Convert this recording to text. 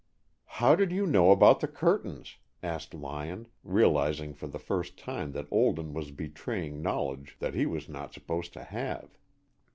"How did you know about the curtains?" asked Lyon, realizing for the first time that Olden was betraying knowledge that he was not supposed to have.